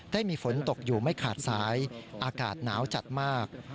ได้มีฝนตกอยู่ไม่ขาดสายอากาศหนาวจัดมาก